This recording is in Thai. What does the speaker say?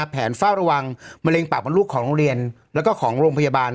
เฝ้าระวังมะเร็งปากมดลูกของโรงเรียนแล้วก็ของโรงพยาบาล